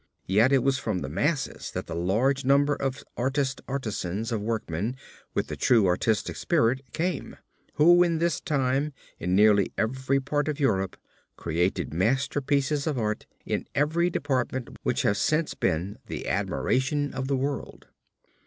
Yet it was from the masses that the large number of artist artisans of workmen with the true artistic spirit came, who in this time in nearly every part of Europe, created masterpieces of art in every department which have since been the admiration of the world.